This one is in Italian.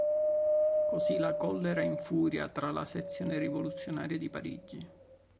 Così la collera infuria tra la Sezione rivoluzionaria di Parigi.